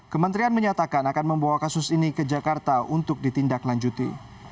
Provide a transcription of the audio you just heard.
kementerian menyatakan akan membawa kasus ini ke jakarta untuk ditindaklanjuti